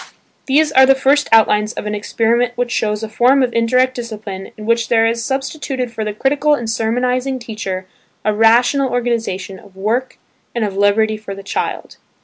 These are the first outlines of an experiment which shows a form of indirect discipline in which there is substituted for the critical and sermonizing teacher a rational organisation of work and of liberty for the child.